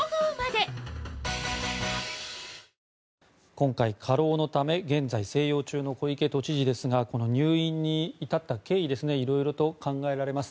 今回、過労のため現在静養中の小池都知事ですがこの入院に至った経緯いろいろと考えられます。